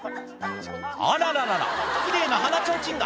あらららら、きれいな鼻ちょうちんが。